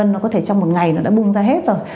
nó có thể trong một ngày nó đã bung ra hết rồi